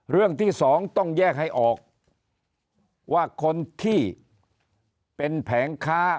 เรื่องที่สองต้องแยกให้ออกว่าคนที่เป็นแผงค้า